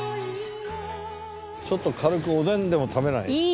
ちょっと軽くおでんでも食べない？